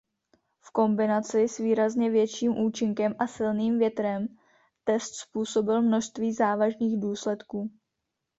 V kombinaci s výrazně větším účinkem a silným větrem test způsobil množství závažných důsledků.